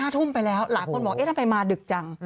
๕ทุ่มไปแล้วหลายคนบอกเอ๊ะทำไมมาดึกจัง